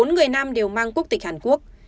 bốn người nam đều mang quốc tịch hàn quốc